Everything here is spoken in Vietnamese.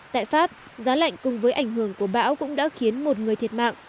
tại pháp giá lạnh cùng với ảnh hưởng của bão cũng đã khiến một người thiệt mạng